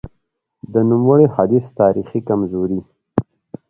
د نوموړي حدیث تاریخي کمزوري :